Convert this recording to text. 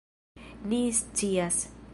Ni scias!